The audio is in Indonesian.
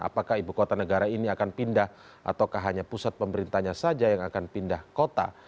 apakah ibu kota negara ini akan pindah ataukah hanya pusat pemerintahnya saja yang akan pindah kota